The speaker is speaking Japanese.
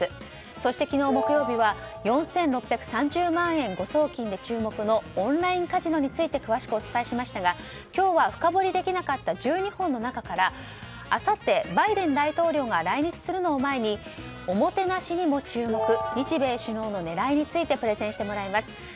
そして昨日木曜日は４６３０万円誤送金で注目のオンラインカジノについて詳しくお伝えしましたが今日は深掘りできなかった１２本の中からあさってバイデン大統領が来日するのを前におもてなしにも注目日米首脳の狙いについてプレゼンしてもらいます。